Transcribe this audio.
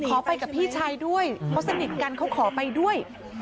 ขอไปกับพี่ชายด้วยเขาสนิทกันเขาขอไปด้วย